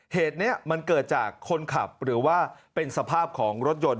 เหตุนี้มันเกิดจากคนขับหรือว่าเป็นสภาพของรถยนต์